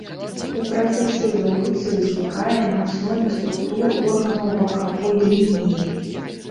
У працэсе эвалюцыі ўзнікае на аснове структур органаў бакавой лініі.